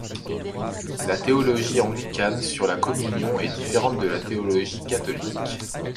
La théologie anglicane sur la communion est différente de la théologie catholique.